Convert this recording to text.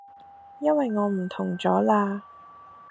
因為我唔同咗喇